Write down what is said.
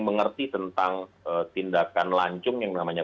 mengerti tentang tindakan lancung yang namanya